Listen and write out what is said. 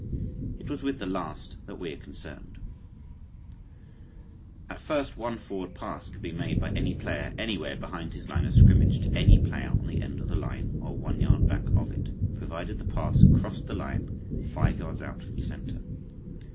It is with the last that we are concerned. (Football Guide for 1906, pp. 95 and 121.) At first one forward pass could be made by any player anywhere behind his line of scrimmage to any player on the end of the line or one yard back of it provided the pass crossed the line five yards out from center.